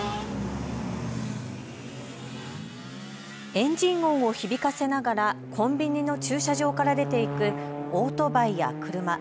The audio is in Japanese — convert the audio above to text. エンジン音を響かせながらコンビニの駐車場から出て行くオートバイや車。